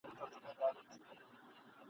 په کلو یې کورته غل نه وو راغلی !.